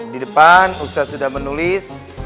di depan ustadz sudah menulis